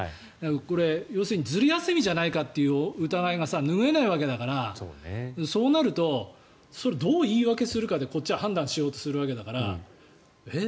これ、要するにずる休みじゃないかという疑いが拭えないわけだからそうなるとそれをどう言い訳するかでこっちは判断しようとするわけだからえ？